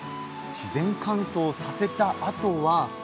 自然乾燥させたあとは。